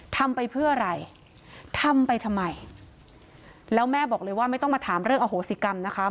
ทำไปเพื่ออะไรทำไปทำไมแล้วแม่บอกเลยว่าไม่ต้องมาถามเรื่องอโหสิกรรมนะคะ